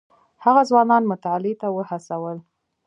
هغه ځوانان مطالعې ته وهڅول.